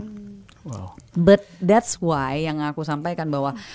tapi itulah kenapa yang aku sampaikan bahwa